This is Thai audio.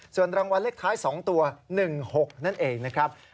ส่วนรางวัลเลขท้าย๒ตัว๑๖นั่นเองนะครับ